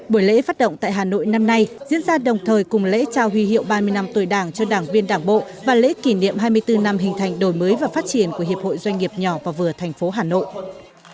buổi lễ phát động tại hà nội năm nay diễn ra đồng thời cùng lễ trao huy hiệu ba mươi năm tuổi đảng cho đảng viên đảng bộ và lễ kỷ niệm hai mươi bốn năm hình thành đổi mới và phát triển của hiệp hội doanh nghiệp nhỏ và vừa tp hà nội